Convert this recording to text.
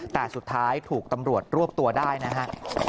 แต่สุดท้ายถูกตำรวจรวบตัวได้นะฮะ